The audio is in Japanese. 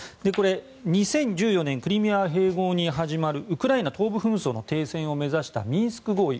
２０１４年のクリミア併合に始まるウクライナ東部紛争の停戦を目指したミンスク合意